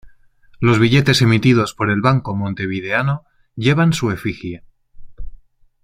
Los billetes emitidos por el Banco Montevideano llevan su efigie.